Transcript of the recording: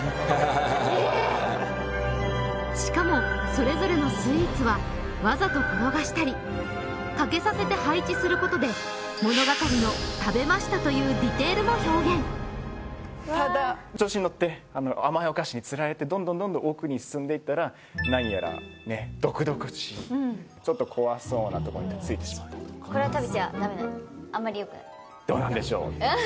しかもそれぞれのスイーツはわざと転がしたり欠けさせて配置することで物語のただ調子に乗って甘いお菓子につられてどんどんどんどん奥に進んでいったら何やら毒々しいちょっと怖そうなとこに着いてしまったとこれは食べちゃダメあんまりよくない？どうなんでしょう？